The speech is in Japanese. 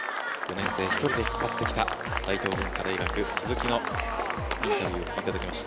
４年生１人で引っ張ってきた大東文化大学、鈴木のインタビューをお聞きいただきました。